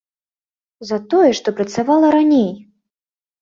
За тое, што працавала раней!